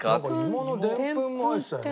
芋のでんぷんも入ってたよね。